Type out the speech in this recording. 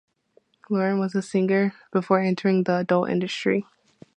Lauren was a singer before entering the adult industry.